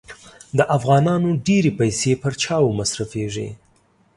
د افغانانو ډېري پیسې پر چایو مصرفېږي.